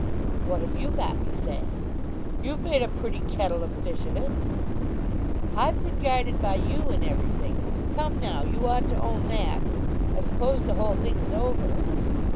"What have you got to say?" "You've made a pretty kettle of fish of it." "I've been guided by you in everything. Come, now; you ought to own that. I suppose the whole thing is over?"